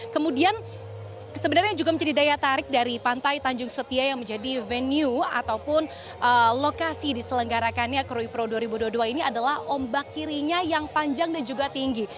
kemudian sebenarnya yang juga menjadi daya tarik dari pantai tanjung setia yang menjadi venue ataupun lokasi diselenggarakannya krui pro dua ribu dua puluh dua ini adalah ombak kirinya yang panjang dan juga tinggi